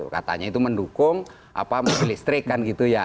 katanya itu mendukung mobil listrik kan gitu ya